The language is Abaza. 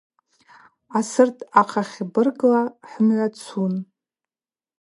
Асырт ахъахьбыргла хӏымгӏва цун.